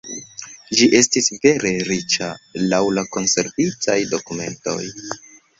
Ĝi estis vere riĉa, laŭ la konservitaj dokumentoj.